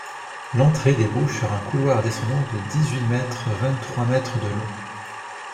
L'entrée débouche sur un couloir descendant de dix-huit mètres vingt-trois mètres de long.